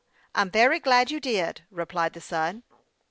I'm very glad you did," replied the son.